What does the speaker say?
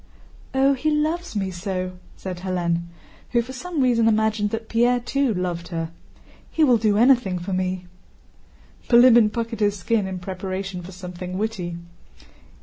"Oh, he loves me so!" said Hélène, who for some reason imagined that Pierre too loved her. "He will do anything for me." Bilíbin puckered his skin in preparation for something witty.